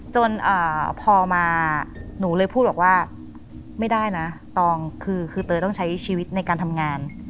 จนพอมาหนูเลยพูดบอกว่าไม่ได้นะตองคือเตยต้องใช้ชีวิตในการทำงาน